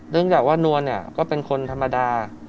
เนื่องจากว่านวลเนี่ยก็เป็นคนธรรมดา